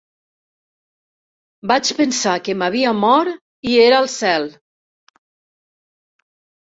Vaig pensar que m'havia mort i era al cel.